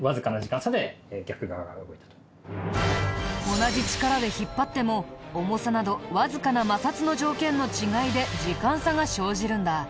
同じ力で引っ張っても重さなどわずかな摩擦の条件の違いで時間差が生じるんだ。